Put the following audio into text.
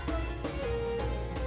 masjid agung sunda kelapa